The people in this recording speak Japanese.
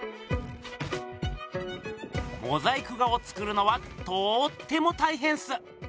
モザイク画を作るのはとっても大へんっす。